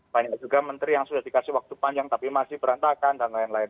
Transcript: banyak juga menteri yang sudah dikasih waktu panjang tapi masih berantakan dan lain lain